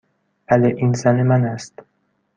بله. این زن من است.